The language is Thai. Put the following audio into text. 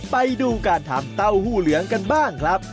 ไปดูการทำเต้าหู้เหลืองกันบ้างครับ